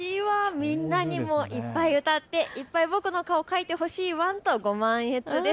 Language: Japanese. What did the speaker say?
みんなにもいっぱい歌っていっぱい僕の顔を描いてほしいワンとご満悦です。